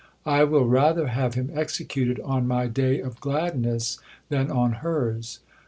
I will rather have him executed on my day of gladness than on hers."